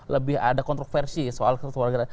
lebih ada kontroversi soal kekeluargaan